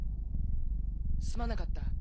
すまなかった。